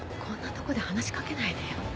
こんなとこで話し掛けないでよ。